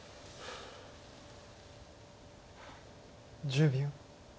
１０秒。